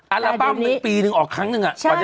อาราบัมปีนึงออกครั้งนึงอ่ะก่อนจะเสร็จอ่ะ